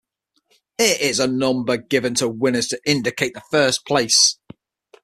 It is a number given to winners to indicate the first place.